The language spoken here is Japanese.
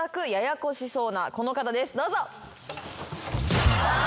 この方ですどうぞ。